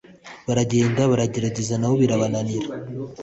baragenda, baragerageza na bo kirabananira.